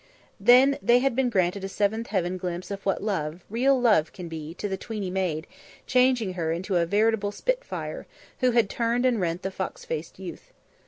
Then had been granted a seventh heaven glimpse of what love, real love, can be, to the tweeny maid, changing her into a veritable spitfire, who had turned and rent the fox faced youth.